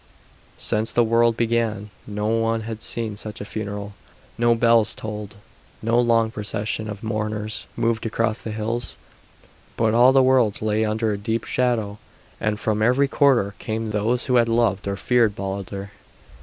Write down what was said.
Since the world began no one had seen such a funeral. No bells tolled, no long procession of mourners moved across the hills, but all the worlds lay under a deep shadow, and from every quarter came those who had loved or feared Balder.